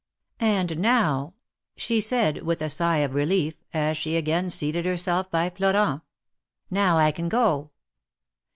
'^And now," she said, with a sigh of relief, as she again seated herself by Florent; now I can go."